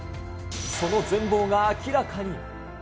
その全貌が明らかに。